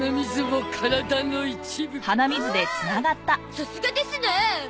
さすがですなあ。